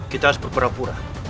kita harus berpura pura